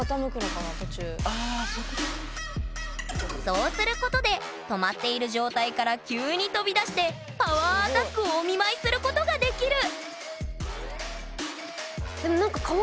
そうすることで止まっている状態から急に飛び出してパワーアタックをお見舞いすることができる！